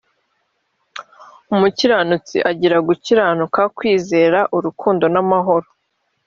umukiranutsi agira gukiranuka , kwizera , urukundo n’ amahoro.